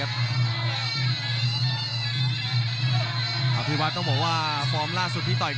และอัพพิวัตรสอสมนึก